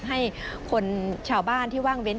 ให้คนชาวบ้านที่ว่างเว้น